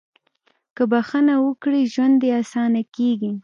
• که بښنه وکړې، ژوند دې اسانه کېږي.